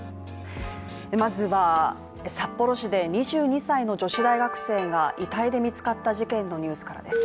まずは札幌市で２２歳の女子大学生が遺体で見つかった事件のニュースからです。